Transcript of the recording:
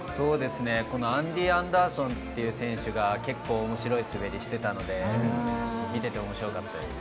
アンディー・アンダーソン選手が面白い滑りをしていたので面白かったです。